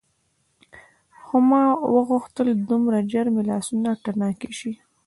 خو ما ونه غوښتل دومره ژر مې لاسونه تڼاکي شي.